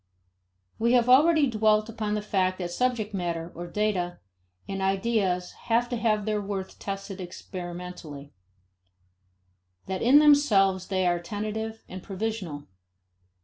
We have already dwelt upon the fact that subject matter, or data, and ideas have to have their worth tested experimentally: that in themselves they are tentative and provisional.